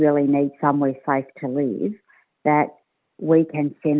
kita bisa mengirim mereka ke tempat yang aman